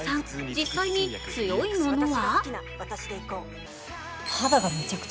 実際に強いものは？